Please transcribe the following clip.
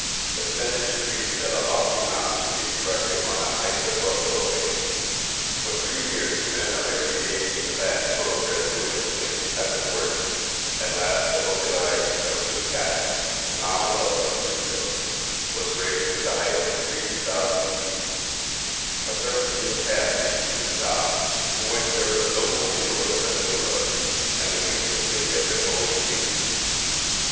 The senate decreed that a lofty mound should be erected on the heights of Bronislawad. For three years men of every age and class toiled gratuitously at this work, and at last the Mogila Kosziuszki, the mound of Kosciusko, was raised to the height of 3000 feet! A serpentine path leads to the top, from which there is a noble view of the Vistula, and of the ancient city of the Polish kings.